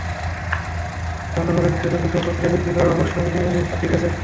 ভালো হবে হাতের জন্য সব অস্ত্র বিক্রি করে অবসর নিয়ে নে, ঠিক আছে?